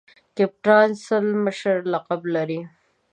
کپتان سل مشر لقب لري.